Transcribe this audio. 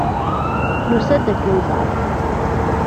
Nusa-d ad ken-nẓer.